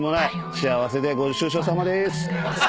幸せでご愁傷さまでーす。